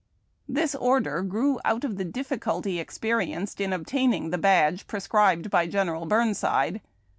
This order grew out of the difficulty experienced in obtaining the badge prescribed by General Burnside.